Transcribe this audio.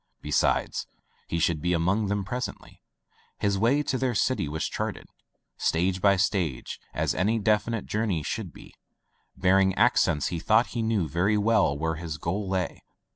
Besides, he should be among them pres ently. His way to their city was charted, stage by stage, as any definite journey should be. Barring accidents, he thought he knew very well where his goal lay.